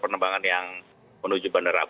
setiap harinya sepuluh line operator